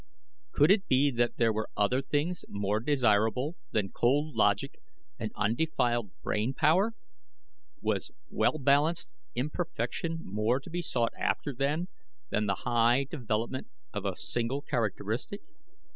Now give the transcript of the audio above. Could it be that there were other things more desirable than cold logic and undefiled brain power? Was well balanced imperfection more to be sought after then, than the high development of a single characteristic?